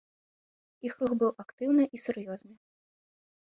Іх рух быў актыўны і сур'ёзны.